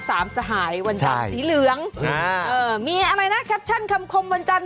สหายวันจันทร์สีเหลืองอ่าเออมีอะไรนะแคปชั่นคำคมวันจันท